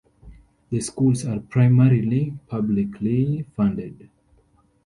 The schools are primarily publicly funded.